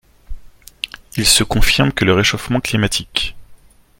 Il se confirme que le réchauffement climatique